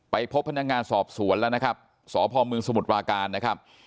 พบพนักงานสอบสวนแล้วนะครับสพมสมุทรปราการนะครับ